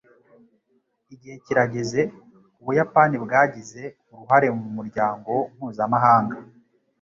Igihe kirageze Ubuyapani bwagize uruhare mumuryango mpuzamahanga